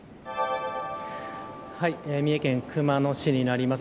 三重県熊野市になります。